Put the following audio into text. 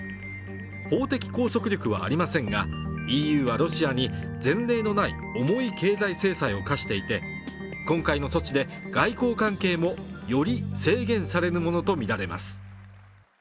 法的拘束力はありませんが、ＥＵはロシアに、前例のない重い経済制裁を科していて今回の措置で、外交関係もより制限されるものとみられます。